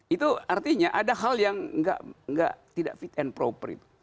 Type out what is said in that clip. itu artinya ada hal yang tidak fit and proper itu